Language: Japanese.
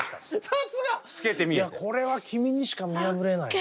さすが！これは君にしか見破れないな。